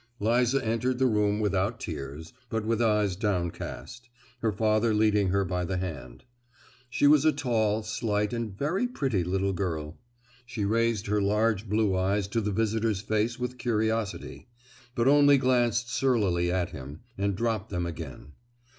Liza entered the room without tears, but with eyes downcast, her father leading her by the hand. She was a tall, slight, and very pretty little girl. She raised her large blue eyes to the visitor's face with curiosity; but only glanced surlily at him, and dropped them again.